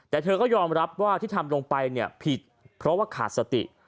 แต่เธอก็ยอมรับว่าที่ทำลงไปเนี่ยผิดเพราะว่าขาดสติ